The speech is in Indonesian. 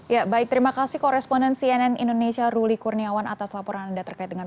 ya baik terima kasih koresponden cnn indonesia ruli kurniawan atas laporan anda terkait dengan